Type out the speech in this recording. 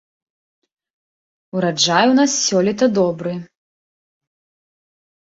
Ураджай у нас сёлета добры.